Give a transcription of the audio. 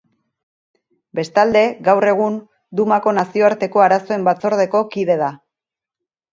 Bestalde, gaur egun, Dumako nazioarteko arazoen batzordeko kide da.